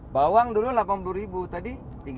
bawang dulu delapan puluh ribu tadi tiga puluh dua